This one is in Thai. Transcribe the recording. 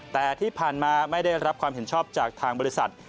แต่ที่ผ่านมาไม่ได้รับความเห็นชอบจากทางบริษัท